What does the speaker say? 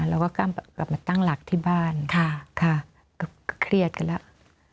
เราก็กล้ามกลับมาตั้งหลักที่บ้านก็เครียดกันแล้ว